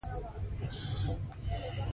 د یو سوکاله او مرفه ژوند په هیله.